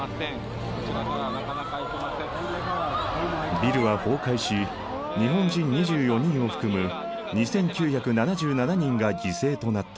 ビルは崩壊し日本人２４人を含む２，９７７人が犠牲となった。